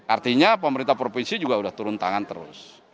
artinya pemerintah provinsi juga sudah turun tangan terus